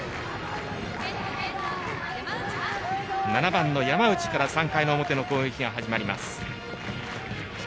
７番の山内から３回の表の攻撃が始まります。